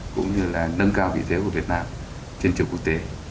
cũng như là nâng cao vị thế của việt nam trên trường quốc tế